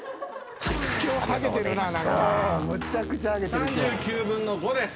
３９分の５です。